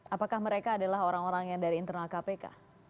apakah mereka adalah orang orang yang dari internal kpk